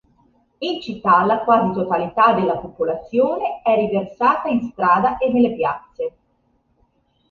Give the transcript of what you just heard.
In città la quasi totalità della popolazione è riversata in strada e nelle piazze.